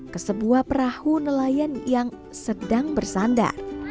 ke sebuah perahu nelayan yang sedang bersandar